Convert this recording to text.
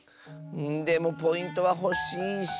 でもポイントはほしいし。